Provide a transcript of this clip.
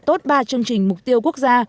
tốt ba chương trình mục tiêu quốc gia